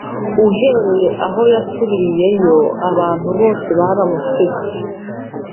Uhereye aho yasubiriyeyo, abantu bose baramusetse